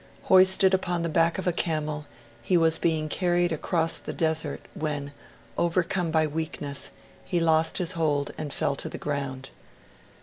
Hoisted upon the back of a camel, he was being carried across the desert, when, overcome by weakness, he lost his hold, and fell to the ground.